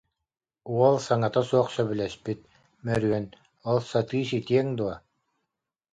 Уол саҥата суох сөбүлэспит, Мөрүөн: «Ол сатыы ситиэҥ дуо